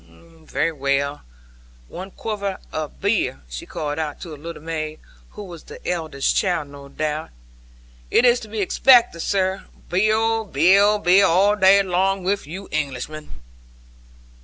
'Very well. One quevart of be or;' she called out to a little maid, who was her eldest child, no doubt. 'It is to be expected, sir. Be or, be or, be or, all day long, with you Englishmen!'